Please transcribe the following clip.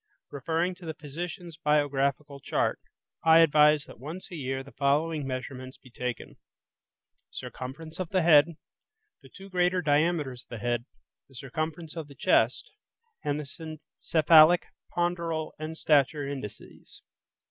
Referring to the physician's biographical chart, I advise that once a year the following measurements be taken: Circumference of the head; the two greater diameters of the head; the circumference of the chest; and the cephalic, ponderal, and stature indices.